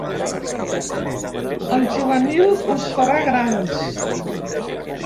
El juvenil us farà grans.